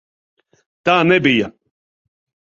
Tā nebija!